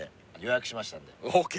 ＯＫ。